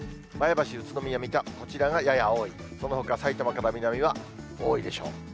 前橋、宇都宮、水戸、こちらがやや多い、そのほか、さいたまから南は多いでしょう。